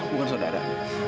oh bukan saudara